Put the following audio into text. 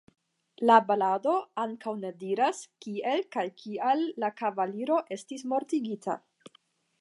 La balado ankaŭ ne diras kiel kaj kial la kavaliro estis mortigita.